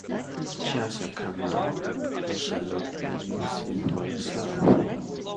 It's just a camera, take a closer look and you'll see for yourself.